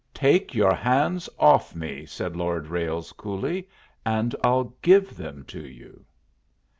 "Take your hands off me," said Lord Ralles, coolly, "and I'll give them to you."